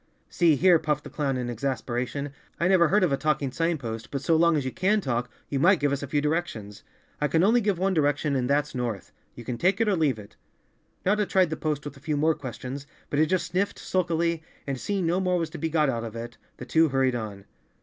"See here," puffed the clown in exasperation, "I never heard of a talking sign post, but so long as you can talk, you might give us a few directions." "I only give one direction and that's north. You can take it, or leave it." Notta tried the post with a few more questions, but it just sniffed sulkily, and seeing no more was to be got out of it, the two hurried on.